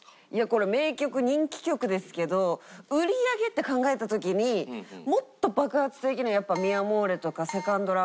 これ名曲人気曲ですけど売り上げって考えた時にもっと爆発的なやっぱ『ミ・アモーレ』とか『セカンド・ラブ』